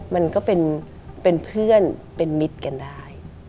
มันก็เป็นเพื่อนเป็นมิตรกันได้